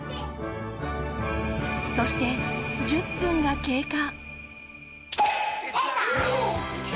そして１０分が経過。